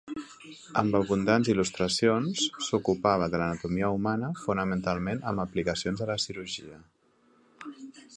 Amb abundants il·lustracions, s'ocupava de l'anatomia humana fonamentalment amb aplicacions a la cirurgia.